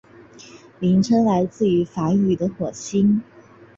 名称来自于梵语的火星。